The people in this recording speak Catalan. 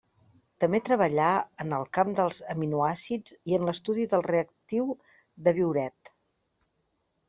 També treballà en el camp dels aminoàcids i en l'estudi del reactiu de Biuret.